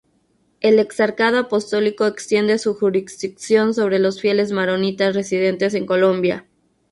El exarcado apostólico extiende su jurisdicción sobre los fieles maronitas residentes en Colombia.